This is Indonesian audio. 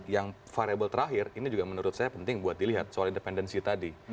yang variable terakhir ini juga menurut saya penting buat dilihat soal independensi tadi